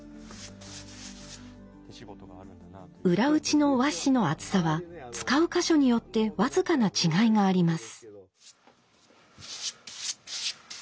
裏打ちの和紙の厚さは使う箇所によって僅かな違いがあります。